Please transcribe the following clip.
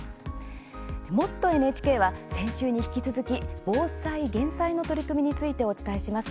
「もっとＮＨＫ」は先週に引き続き防災・減災の取り組みについてお伝えします。